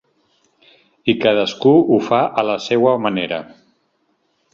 I cadascú ho fa a la seua manera.